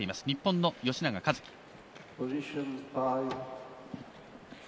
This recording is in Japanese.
日本の吉永一貴。